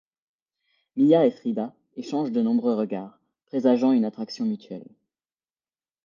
Mia et Frida échangent de nombreux regards, présageant une attraction mutuelle.